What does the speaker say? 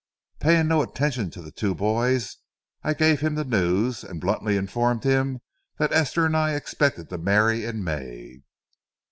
Paying no attention to the two boys, I gave him the news, and bluntly informed him that Esther and I expected to marry in May.